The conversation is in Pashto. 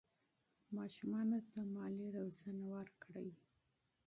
ماشومانو ته مالي روزنه ورکړئ.